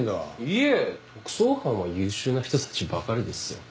いえ特捜班は優秀な人たちばかりですよ。